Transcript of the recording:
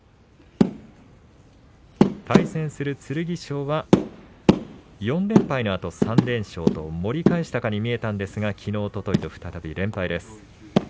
対戦する剣翔は４連敗のあと３連勝と盛り返したかのように見えたんですがきのうおとといと再び連敗です。